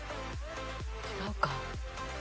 違うか。